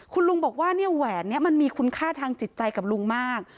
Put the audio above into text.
คุณลุงบอกว่าเนี่ยแหวนนี้มันมีคุณค่าทางจิตใจกับลุงมาก